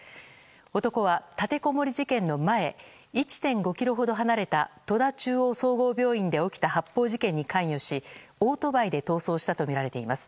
男は立てこもり事件の前１．５ｋｍほど離れた戸田中央総合病院で起きた発砲事件に関与しオートバイで逃走したとみられています。